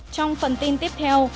trong phần tin tiếp theo